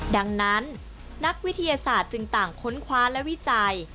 ดังนั้นนักวิทยาศาสตร์จึงต่างค้นคว้าและวิจัย